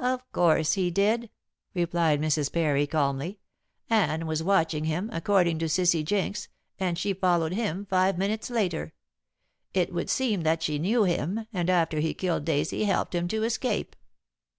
"Of course he did," replied Mrs. Parry calmly. "Anne was watching him, according to Cissy Jinks, and she followed him five minutes later. It would seem that she knew him, and after he killed Daisy helped him to escape."